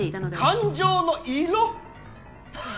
感情の色。